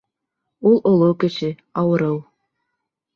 Ул оло кеше, ауырыу.